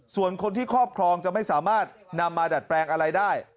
ส่วนคนที่ครอบครองจะไม่สามารถนำมาดัดแปลงอะไรได้